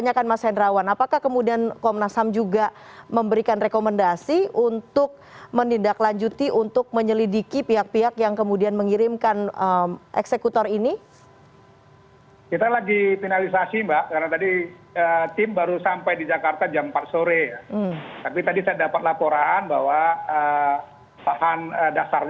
ya mas sendaron ingin menanggapi silahkan